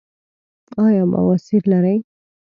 ایا بواسیر لرئ؟